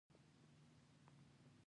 هلته د کړکۍ په څېر یولرغونی بوټی و.